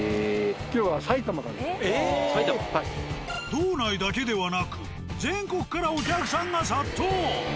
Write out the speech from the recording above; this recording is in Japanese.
道内だけではなく全国からお客さんが殺到。